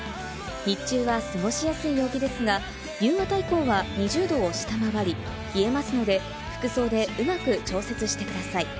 日中は過ごしやすい陽気ですが、夕方以降は２０度を下回り冷えますので、服装でうまく調節してください。